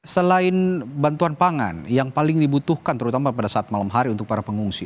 selain bantuan pangan yang paling dibutuhkan terutama pada saat malam hari untuk para pengungsi